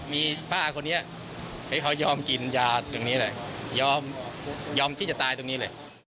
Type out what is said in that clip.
มีป้าคนนี้ให้เขายอมกินยาตรงนี้เลยยอมที่จะตายตรงนี้เลย